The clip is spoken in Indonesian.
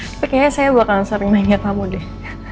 tapi kayaknya saya bukan sering nanya kamu deh